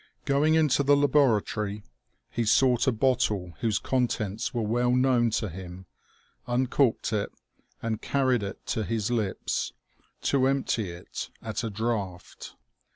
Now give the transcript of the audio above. Going into the laboratory, he sought a bottle whose contents were well known to him, uncorked it, and carried it to his lips, to empty it at a draught.